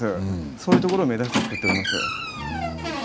そういうところを目指して造っております。